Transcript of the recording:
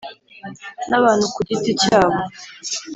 n abantu ku giti cyabo